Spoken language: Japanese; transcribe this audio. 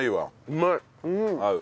うまい。